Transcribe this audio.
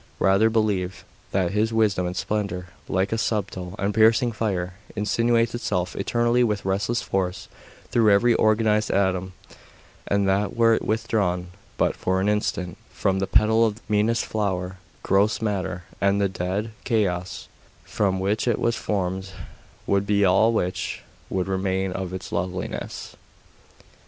Rather believe that His wisdom and splendour, like a subtle and piercing fire, insinuates itself eternally with resistless force through every organised atom, and that were it withdrawn but for an instant from the petal of the meanest flower, gross matter, and the dead chaos from which it was formed, would be all which would remain of its loveliness....